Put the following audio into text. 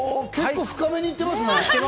結構深めに行ってますね。